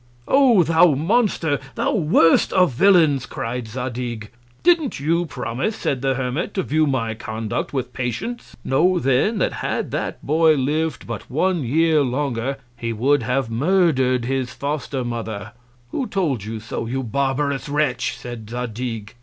O thou Monster! thou worst of Villains, cry'd Zadig! Didn't you promise, said the Hermit, to view my Conduct with Patience? Know then, that had that Boy liv'd but one Year longer, he would have murder'd his Foster Mother. Who told you so, you barbarous Wretch, said Zadig?